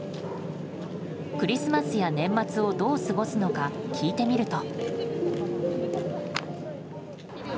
クリスマスや年末をどう過ごすのか聞いてみると。